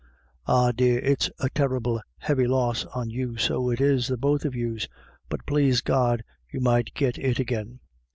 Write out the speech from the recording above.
Ah dear, it's a terrible heavy loss on you, so it is, the both of yous, but plase God you might git it agin.